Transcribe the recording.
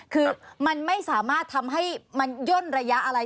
คือมันไม่สามารถทำให้มันย่นระยะอะไร